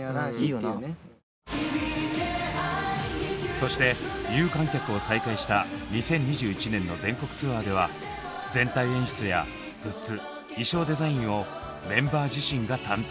そして有観客を再開した２０２１年の全国ツアーでは全体演出やグッズ衣装デザインをメンバー自身が担当。